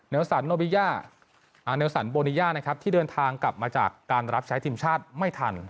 เนลสันโบนิย่าที่เดินทางกลับมาจากการรับใช้ทีมชาติไม่ทัน